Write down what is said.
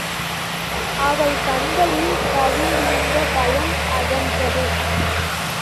அவள் கண்களில் கவிந்திருந்த பயம் அகன்றது.